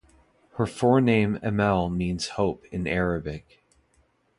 Her forename Amel means "hope" in Arabic.